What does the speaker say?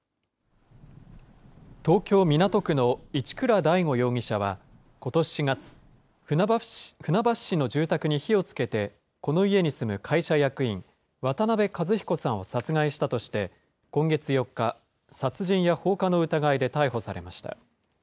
東京・港区の一倉大悟容疑者はことし４月、船橋市の住宅に火をつけて、この家に住む会社役員、渡邉和彦さんを殺害したとして、今月４日、殺人や放火の疑いで逮捕されました。